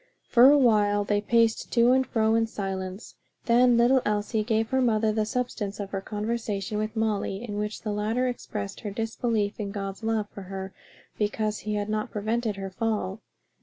For a while they paced to and fro in silence; then little Elsie gave her mother the substance of her conversation with Molly in which the latter expressed her disbelief in God's love for her because he had not prevented her fall.